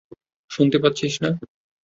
শুনতে পাচ্ছিস না?